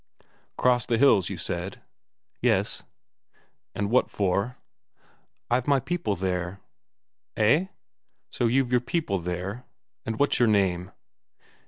"Cross the hills, you said?" "Yes." "And what for?" "I've my people there." "Eh, so you've your people there? And what's your name?"